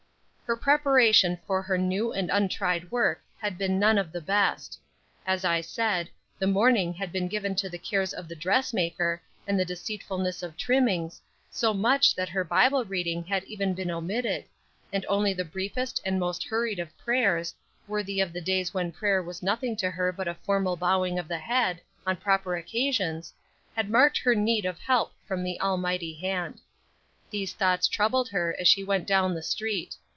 Her preparation for her new and untried work had been none of the best. As I said, the morning had been given to the cares of the dressmaker and the deceitfulness of trimmings, so much so that her Bible reading even had been omitted, and only the briefest and most hurried of prayers, worthy of the days when prayer was nothing to her but a formal bowing of the head, on proper occasions, had marked her need of help from the Almighty Hand. These thoughts troubled her as she went down the Street.